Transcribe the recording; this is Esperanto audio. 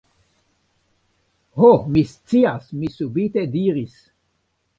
Ho! mi scias! mi subite diris.